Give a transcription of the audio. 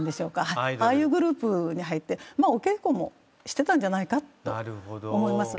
ああいうグループに入ってお稽古もしてたんじゃないかと思います。